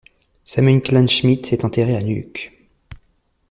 Samuel Kleinschmidt est enterré à Nuuk.